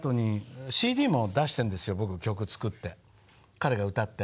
彼が歌って。